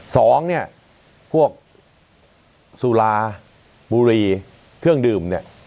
สองเนี่ยพวกสุราบุรีเครื่องดื่มเนี่ย